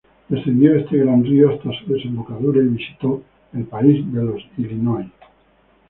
Descendió este gran río hasta su desembocadura, y visitó el país de los illinois.